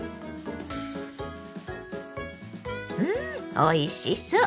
うんおいしそう！